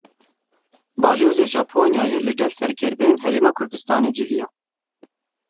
Balyozê Japonyayê li gel serkirdeyên Herêma Kurdistanê civiya.